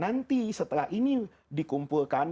nanti setelah ini dikumpulkan